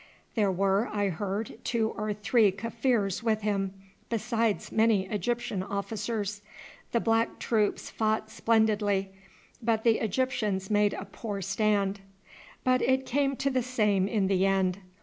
There were, I heard, two or three Kaffirs with him, besides many Egyptian officers. The black troops fought splendidly, but the Egyptians made a poor stand; but it came to the same in the end.